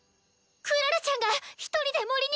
クララちゃんが１人で森に！